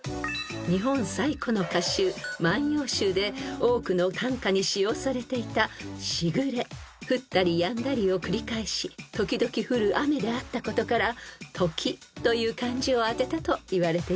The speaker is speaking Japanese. ［日本最古の歌集『万葉集』で多くの短歌に使用されていた「時雨」］［降ったりやんだりを繰り返し時々降る雨であったことから「時」という漢字をあてたといわれています］